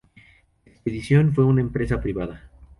La expedición fue una empresa privada.